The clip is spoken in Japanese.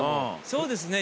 そうですね。